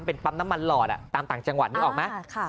เป็นปั๊มน้ำมันหลอดตามต่างจังหวัดนึกออกไหม